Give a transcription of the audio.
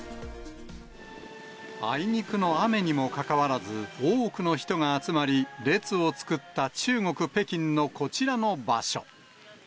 あいにくの雨にもかかわらず、多くの人が集まり、列を作った中国・北京のこちらの場所。